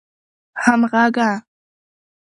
همږغه